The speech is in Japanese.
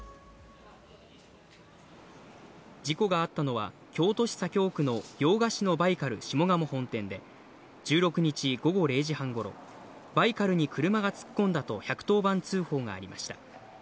事故があったのは、京都市左京区の洋菓子のバイカル下鴨本店で、１６日午後０時半ごろ、バイカルに車が突っ込んだと、１１０番通報がありました。